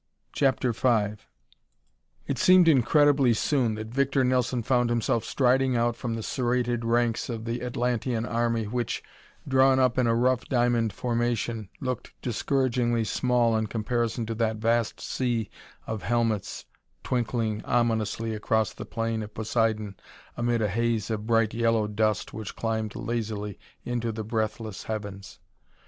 CHAPTER V It seemed incredibly soon that Victor Nelson found himself striding out from the serrated ranks of the Atlantean army which, drawn up in a rough diamond formation, looked discouragingly small in comparison to that vast sea of helmets twinkling ominously across the plain of Poseidon amid a haze of bright yellow dust which climbed lazily into the breathless heavens.